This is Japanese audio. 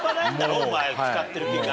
お前使ってる金額。